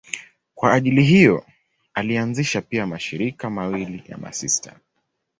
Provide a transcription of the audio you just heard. Kwa ajili hiyo alianzisha pia mashirika mawili ya masista.